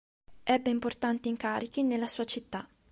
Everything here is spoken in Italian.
Ebbe importanti incarichi nella sua città.